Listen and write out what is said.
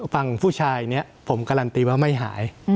ฝั่งผู้ชายเนี่ยผมการันตีว่าไม่หาย